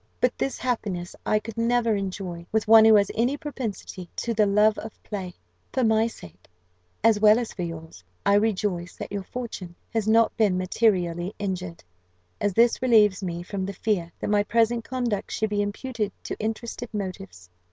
But this happiness I could never enjoy with one who has any propensity to the love of play. "For my own sake, as well as for yours, I rejoice that your fortune has not been materially injured; as this relieves me from the fear that my present conduct should be imputed to interested motives.